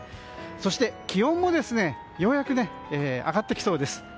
そして、気温もようやく上がってきそうです。